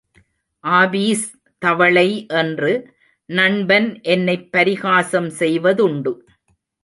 Office தவளை என்று நண்பன் என்னைப் பரிகாசம் செய்வதுண்டு.